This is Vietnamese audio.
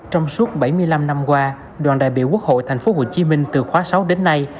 trong suốt bảy mươi năm năm qua đoàn đại biểu quốc hội tp hcm từ khóa sáu đến nay